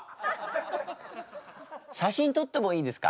写真撮ってもいいですか？